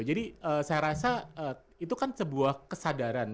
jadi saya rasa itu kan sebuah kesadaran